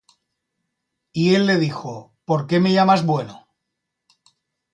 Y él le dijo: ¿Por qué me llamas bueno?